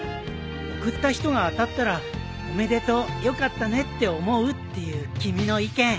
送った人が当たったら「おめでとうよかったね」って思うっていう君の意見。